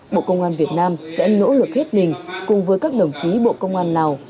bộ công an việt nam sẽ nỗ lực hết mình cùng với các đồng chí bộ công an lào